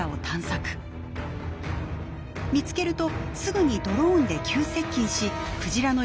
見つけるとすぐにドローンで急接近しクジラの様子を探ります。